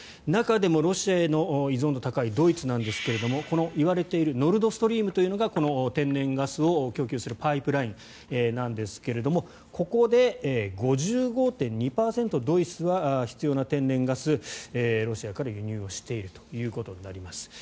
中でもロシアへの依存度が高いドイツですがこの言われているノルド・ストリームというのが天然ガスを供給するパイプラインなんですがここで５５．２％ドイツは必要な天然ガスロシアから輸入をしているということになります。